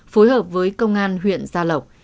phối hợp với công an huyện gia lộc